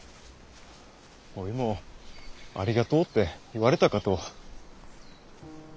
おいも「ありがとう」って言われたかと。